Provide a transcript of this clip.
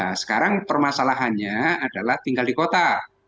nah sekarang permasalahannya adalah tinggal di kota